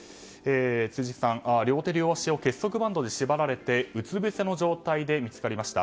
辻さん、両手両足を結束バンドで縛られてうつぶせの状態で見つかりました。